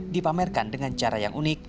dipamerkan dengan cara yang unik